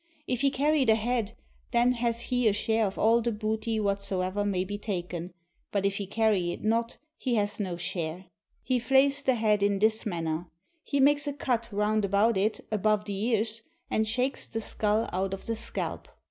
If he carry the head, then hath he a share of all the booty whatsoever may be taken, but if he carry it not, he hath no share. He flays the head in this manner. He makes a cut round about it above the ears, and shakes the skull out of the scalp.